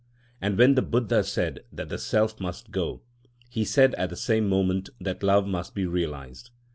And when the Buddha said that the self must go, he said at the same moment that love must be realised.